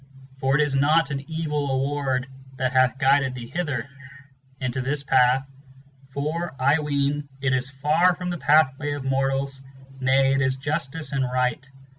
for it is not an evil Award that hath guided thee hither, Into this pathŌĆö for, I ween, it is far from the pathway of mortals ŌĆö Nay, it is Justice and Eight.